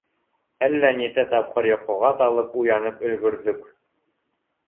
Әллә нисә тапҡыр йоҡоға талып, уянып өлгөрҙөк.